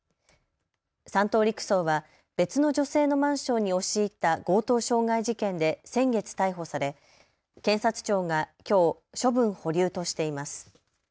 ３等陸曹は別の女性のマンションに押し入った強盗傷害事件で先月、逮捕され検察庁がきょう処分保留としています。